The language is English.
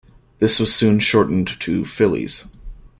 This was soon shortened to "Phillies".